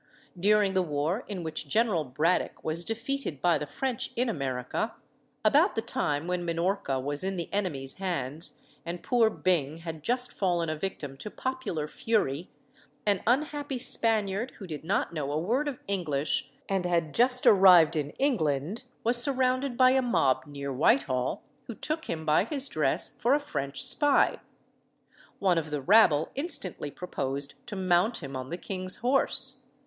During the war in which General Braddock was defeated by the French in America, about the time when Minorca was in the enemy's hands, and poor Byng had just fallen a victim to popular fury, an unhappy Spaniard, who did not know a word of English, and had just arrived in England, was surrounded by a mob near Whitehall, who took him by his dress for a French spy. One of the rabble instantly proposed to mount him on the king's horse.